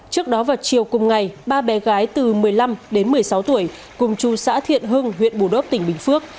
trước đó vào chiều cùng ngày ba bé gái từ một mươi năm đến một mươi sáu tuổi cùng chú xã thiện hưng huyện bù đốc tỉnh bình phước